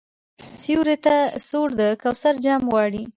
سیوري ته سوړ د کوثر جام غواړي